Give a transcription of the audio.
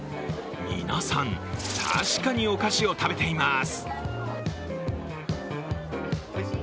皆さん、確かにお菓子を食べています。